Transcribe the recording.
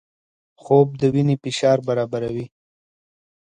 خوب د وینې فشار برابروي